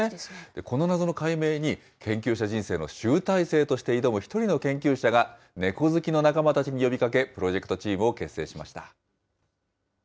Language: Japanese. この謎の解明に、研究者人生の集大成として挑む一人の研究者が、猫好きの仲間たちに呼びかけ、プロジェクトチームを結成しました。